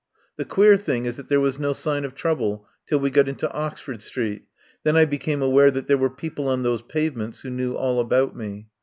The queer thing is that there was no sign of trouble till we got into Oxford Street Then I became aware that there were people on those pavements who knew all about me.